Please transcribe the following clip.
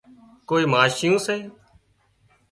ڪوئي ماشيون سي